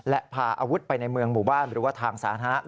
และพาอาวุธไปในเมืองหมู่บ้านหรือว่าทางสาธารณะ